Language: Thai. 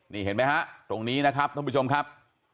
นี่เห็นไหมฮะตรงนี้นะครับท่านผู้ชมครับ